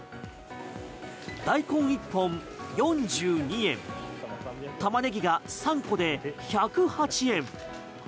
大根、１本４２円玉ねぎが３個で１０８円。